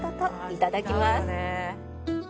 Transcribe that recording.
いただきます。